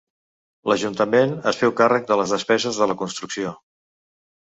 L'Ajuntament es féu càrrec de les despeses de la construcció.